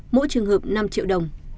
mỗi trường hợp năm triệu đồng